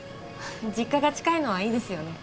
実家が近いのはいいですよね